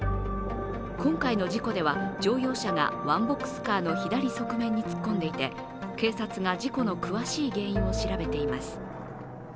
今回の事故では乗用車がワンボックスカーの左側面に突っ込んでいて警察が事故の詳しい原因を調べています。